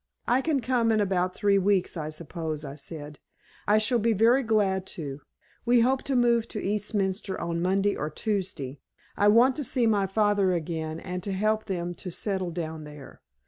"I can come in about three weeks, I suppose," I said. "I shall be very glad to. We hope to move to Eastminster on Monday or Tuesday. I want to see my father again and to help them to settle down there.